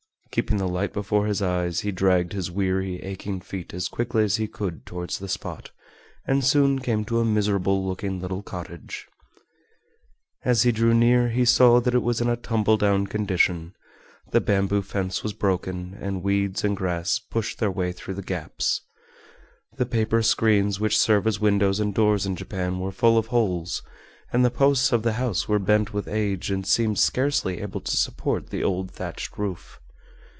Keeping the light before his eyes he dragged his weary, aching feet as quickly as he could towards the spot, and soon came to a miserable looking little cottage. As he drew near he saw that it was in a tumble down condition, the bamboo fence was broken and weeds and grass pushed their way through the gaps. The paper screens which serve as windows and doors in Japan were full of holes, and the posts of the house were bent with age and seemed scarcely able to support the old thatched roof.